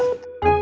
papi tuntut dia